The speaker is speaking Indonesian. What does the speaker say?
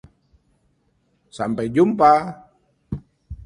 Sampai jumpa!